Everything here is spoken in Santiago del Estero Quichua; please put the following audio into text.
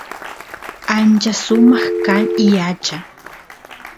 ancha sumaq kan yacha